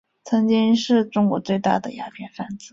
曾经是中国最大的鸦片贩子。